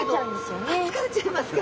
疲れちゃいますか。